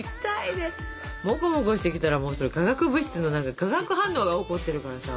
モコモコしてきたらもうそれ化学物質の何か化学反応が起こってるからさ。